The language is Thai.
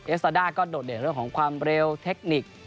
สตาด้าก็โดดเด่นเรื่องของความเร็วเทคนิค